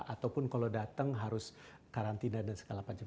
ataupun kalau datang harus karantina dan segala macam